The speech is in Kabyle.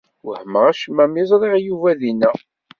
Wehmeɣ acemma mi ẓriɣ Yuba dinna.